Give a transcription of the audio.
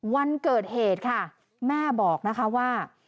วันเกิดเหตุค่ะแม่บอกนะคะว่า